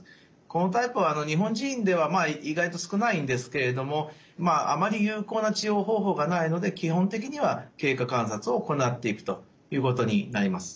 このタイプは日本人では意外と少ないんですけれどもあまり有効な治療方法がないので基本的には経過観察を行っていくということになります。